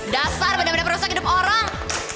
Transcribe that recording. dasar benda benda yang merusak hidup orang